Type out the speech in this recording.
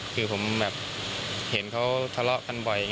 คือผมแบบเห็นเขาทะเลาะกันบ่อย